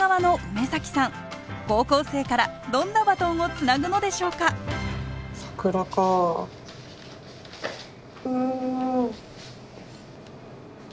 高校生からどんなバトンをつなぐのでしょうかうん。